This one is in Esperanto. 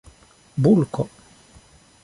bulko